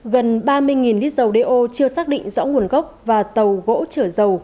gần ba mươi lít dầu đeo chưa xác định rõ nguồn gốc và tàu gỗ chở dầu